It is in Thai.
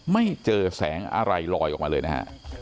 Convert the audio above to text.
ไม่เจอแสงอะไรลอยออกมาเลยนะฮะ